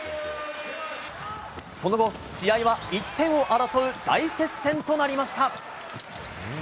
その後、試合は１点を争う大接戦となりました。